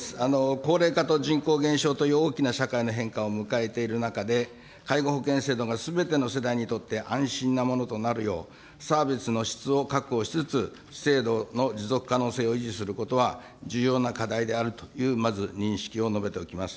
高齢化と人口減少という大きな社会の変化を迎えている中で、介護保険制度がすべての世代にとって安心なものとなるよう、サービスの質を確保しつつ、制度の持続可能性を維持することは重要な課題であるという、まず認識を述べておきます。